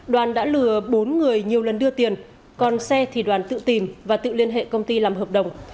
đoàn đã lừa bốn người nhiều lần đưa tiền còn xe thì đoàn tự tìm và tự liên hệ công ty làm hợp đồng